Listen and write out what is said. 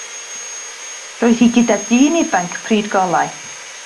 Roedd hi gyda dyn ifanc pryd golau.